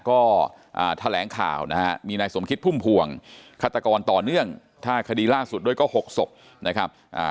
ก็แถลงข่าวนะฮะมีนายสมคิดพุ่มพวงฆาตกรต่อเนื่องถ้าคดีล่าสุดด้วยก็๖ศพนะครับ